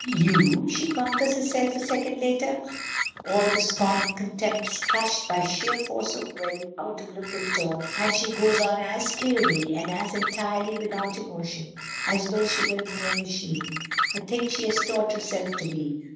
"You!" she conquers herself a second later; all the scorn and contempt is crushed, by sheer force of will, out of look and tone, and she goes on as clearly, and as entirely without emotion, as though she were a mere machine a thing she has taught herself to be.